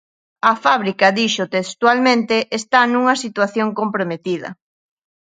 A fábrica, dixo textualmente, está nunha situación comprometida.